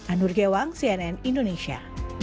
anur gewang cnn indonesia